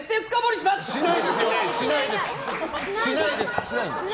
しないです！